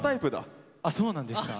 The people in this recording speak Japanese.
あそうなんですか？